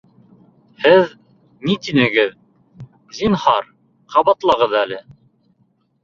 Һеҙ ни тинегеҙ, зинһар, ҡабатлағыҙ әле?